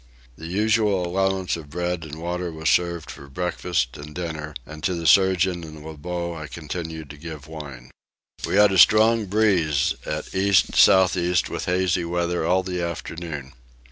The usual allowance of bread and water was served for breakfast and dinner, and to the surgeon and Lebogue I continued to give wine. We had a strong breeze at east south east with hazy weather all the afternoon.